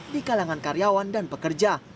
di kalangan karyawan dan pekerja